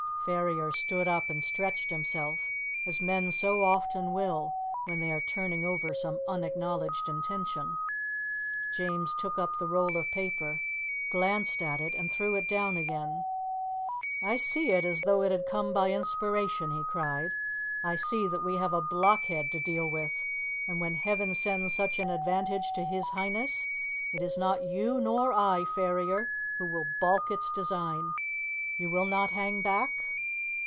Ferrier stood up and stretched himself, as men so often will when they are turning over some unacknowledged intention. James took up the roll of paper, glanced at it and threw it down again. "I see it as though it had come by inspiration!" he cried. "I see that we have a blockhead to deal with, and when heaven sends such an advantage to His Highness, it is not you nor I, Ferrier, who will balk its design. You will not hang back?"